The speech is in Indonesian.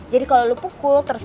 jadi kalau lu pukul terus kena kena